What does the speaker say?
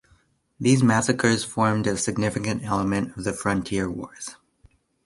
These massacres formed a significant element of the frontier wars.